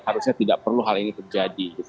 harusnya tidak perlu hal ini terjadi